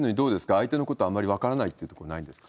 相手のことはあんまり分からないっていうことはないんですか。